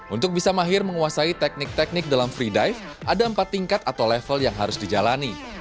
untuk bisa mahir menguasai teknik teknik dalam free dive ada empat tingkat atau level yang harus dijalani